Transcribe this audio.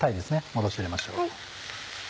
戻し入れましょう。